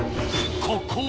ここ！